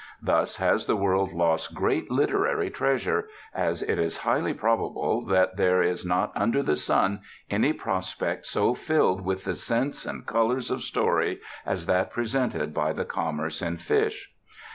Thus has the world lost great literary treasure, as it is highly probable that there is not under the sun any prospect so filled with the scents and colors of story as that presented by the commerce in fish.